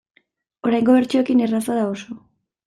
Oraingo bertsioekin erraza da, oso.